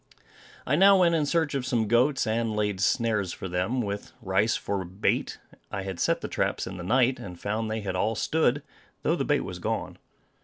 I now went in search of some goats, and laid snares for them, with rice for a bait I had set the traps in the night, and found they had all stood, though the bait was gone.